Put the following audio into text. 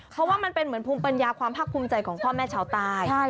เพราะว่ามันเป็นเหมือนภูมิปัญญาความภาคภูมิใจของพ่อแม่ชาวใต้